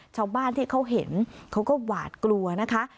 ชาวบ้านที่เขาเห็นเขาก็หวาดกลัวนะคะ